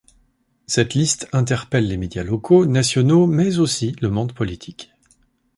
Cette liste interpelle les médias locaux, nationaux mais aussi le monde politique.